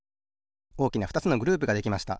おおきなふたつのグループができました。